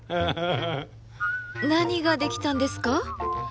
何ができたんですか？